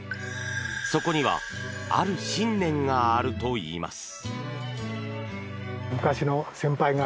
そこにはある信念があるといいます。